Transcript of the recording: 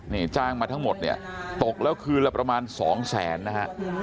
นี่จ้างมาทั้งหมดเนี่ยตกแล้วคืนละประมาณสองแสนนะฮะ